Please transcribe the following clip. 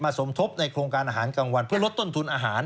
สมทบในโครงการอาหารกลางวันเพื่อลดต้นทุนอาหาร